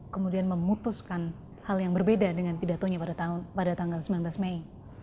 kemudian memutuskan hal yang berbeda dengan pidatonya pada tanggal sembilan belas mei